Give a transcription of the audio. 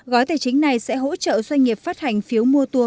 gói tài chính này sẽ hỗ trợ doanh nghiệp phát hành phiếu mua tour